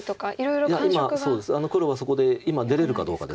いや今黒がそこで今出れるかどうかです。